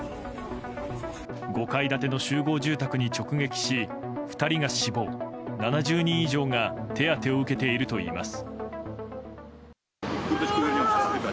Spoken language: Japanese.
５階建ての集合住宅に直撃し２人が死亡７０人以上が手当てを受けているといいます。